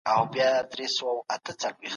هغه له خپل کرامت څخه ساتنه وکړه.